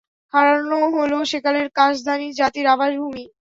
হারান হলো সেকালের কাশদানী জাতির আবাসভূমি।